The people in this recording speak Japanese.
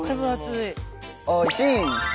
おいしい！